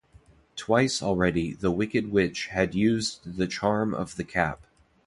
Twice already the Wicked Witch had used the charm of the Cap.